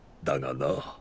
だがな。